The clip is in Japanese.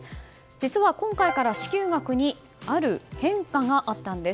実は、今回から支給額にある変化があったんです。